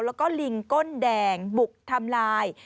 แล้วก็ลิงก้นแดงบุกทำลาย